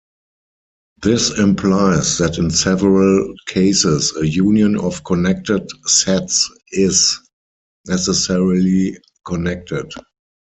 This implies that in several cases, a union of connected sets "is" necessarily connected.